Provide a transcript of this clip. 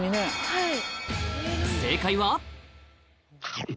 はい。